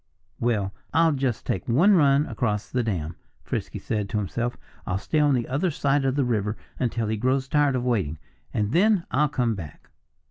"Well, I'll just take one run across the dam," Frisky said to himself. "I'll stay on the other side of the river until he grows tired of waiting. And then I'll come back."